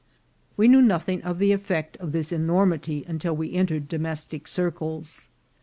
We knew nothing of the effect of this enormity until we entered domestic circles.